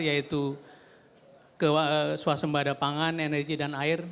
yaitu swasembada pangan energi dan air